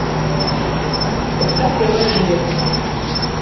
От так яно і жывецца.